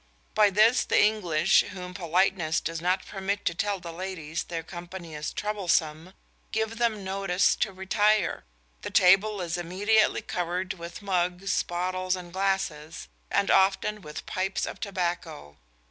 By this the English, whom politeness does not permit to tell the ladies their company is troublesome, give them notice to retire.... The table is immediately covered with mugs, bottles and glasses; and often with pipes of tobacco.